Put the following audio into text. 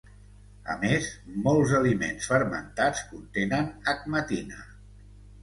A més, molts aliments fermentats contenen agmatina.